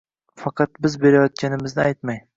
Faqat biz berayotganimizni aytmang.